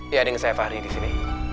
ya ada yang saya fahri disini